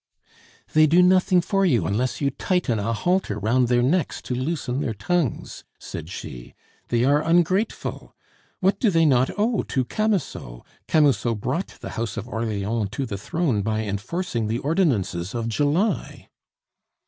"They do nothing for you unless you tighten a halter round their necks to loosen their tongues," said she. "They are ungrateful. What do they not owe to Camusot! Camusot brought the House of Orleans to the throne by enforcing the ordinances of July."